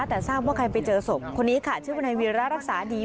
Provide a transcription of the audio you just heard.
แต่ทราบว่าใครไปเจอศพคนนี้ค่ะชื่อวนายวีระรักษาดี